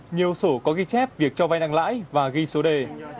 nhiều sổ có ghi chép việc cho vay nặng lãi và ghi số đề